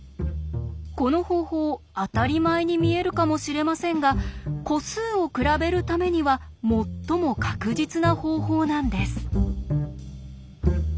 この方法当たり前に見えるかもしれませんが個数を比べるためには最も確実な方法なんです。